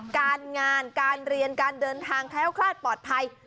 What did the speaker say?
การงานการเรียนการเดินทางแคล้วคลาดปลอดภัย